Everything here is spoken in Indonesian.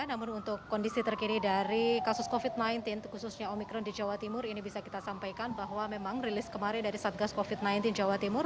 namun untuk kondisi terkini dari kasus covid sembilan belas khususnya omikron di jawa timur ini bisa kita sampaikan bahwa memang rilis kemarin dari satgas covid sembilan belas jawa timur